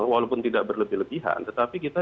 walaupun tidak berlebihan tetapi kita